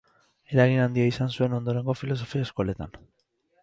Eragin handia izan zuen ondorengo filosofia-eskoletan.